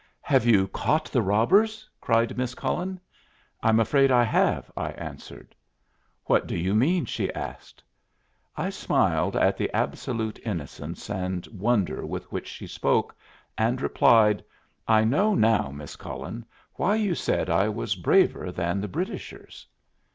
"Have you caught the robbers?" cried Miss Cullen. "I'm afraid I have," I answered. "What do you mean?" she asked. I smiled at the absolute innocence and wonder with which she spoke, and replied, "I know now, Miss Cullen, why you said I was braver than the Britishers."